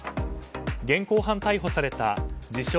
現行犯逮捕された自称